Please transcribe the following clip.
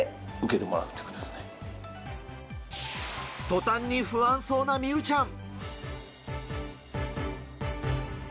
途端に不安そうな美羽ちゃん。